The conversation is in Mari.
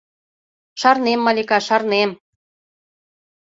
Шарнем, Малика, шарнем!